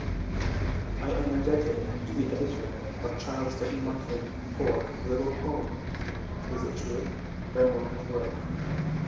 I am indebted to the editor of Child Study Monthly for the little poem "Is It True?" by Morgan Growth.